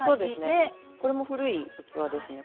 これも古い器ですね。